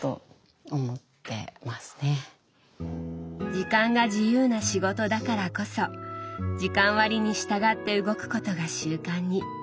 時間が自由な仕事だからこそ時間割に従って動くことが習慣に。